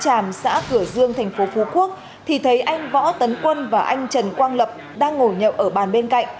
tràm xã cửa dương thành phố phú quốc thì thấy anh võ tấn quân và anh trần quang lập đang ngồi nhậu ở bàn bên cạnh